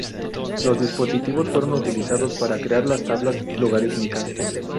Los dispositivos fueron utilizados para crear las tablas logarítmicas.